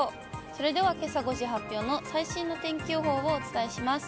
それではけさ５時発表の最新の天気予報をお伝えします。